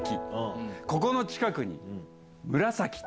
ここの近くに。